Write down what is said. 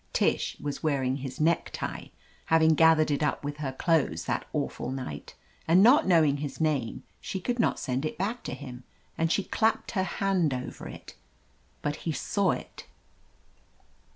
Tish was wearing his necktie — ^having gathered it up with her clothes that awful night, and not knowing his name she could not send it back to him — and she clapped her hand over it. But he saw it.